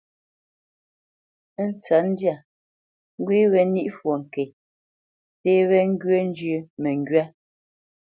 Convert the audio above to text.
Ntsə̌ntndyâ ŋgwê wé ní fwo ŋke, nté wé ŋgyə̂ njyə́ məŋgywá.